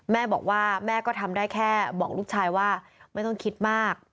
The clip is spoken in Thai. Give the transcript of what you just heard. แม่บอกว่าแม่ก็ทำได้แค่บอกลูกชายว่าไม่ต้องคิดมาก